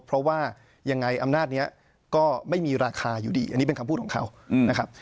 เพราะว่ายังไงอำนาจนี้ก็ไม่มีราคาอยู่ดีอันนี้เป็นคำพูดของเขานะครับ